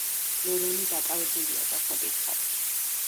ლორენი დაკავებულია დასაკითხად.